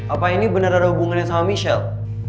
apa ini beneran hubungannya sama michelle